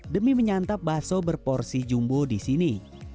demi menyantap bakso berporsi jumbo di sini